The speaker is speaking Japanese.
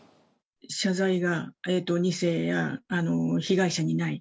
謝罪が２世や被害者にない。